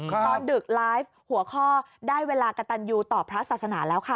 ตอนดึกไลฟ์หัวข้อได้เวลากระตันยูต่อพระศาสนาแล้วค่ะ